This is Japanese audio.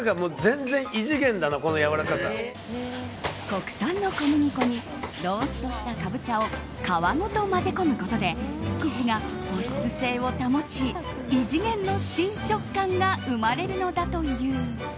国産の小麦粉にローストしたカボチャを皮ごと混ぜ込むことで生地が保湿性を保ち異次元の新食感が生まれるのだという。